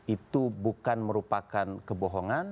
itu bukan merupakan kebohongan